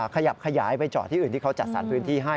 ขยับขยายไปจอดที่อื่นที่เขาจัดสรรพื้นที่ให้